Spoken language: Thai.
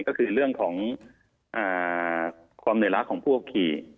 ก็คือเรื่องของความเหนื่อยล้าของผู้ขับขี่